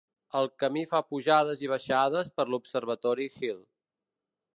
El camí fa pujades i baixades per l'Observatory Hill.